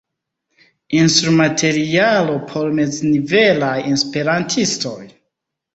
Instrumaterialo por meznivelaj Esperantistoj.